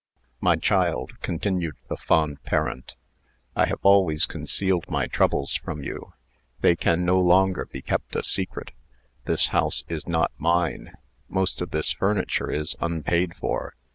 "My child," continued the fond parent, "I have always concealed my troubles from you. They can no longer be kept a secret. This house is not mine. Most of this furniture is unpaid for.